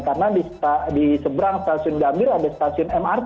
karena di seberang stasiun gambir ada stasiun mrt